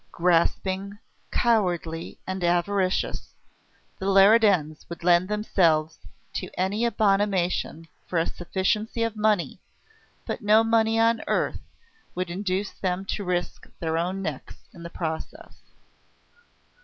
Grasping, cowardly, and avaricious, the Leridans would lend themselves to any abomination for a sufficiency of money; but no money on earth would induce them to risk their own necks in the process.